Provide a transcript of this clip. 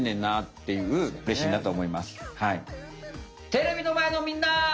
テレビのまえのみんな！